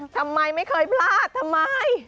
ทำไมไม่เคยพลาดทำไม